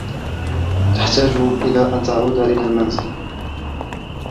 تحتاج إلى أن تعود إلى المنزل.